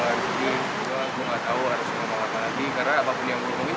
mungkin juga aku tidak tahu harusnya mau apa lagi